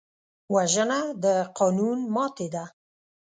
وژنه د قانون ماتې ده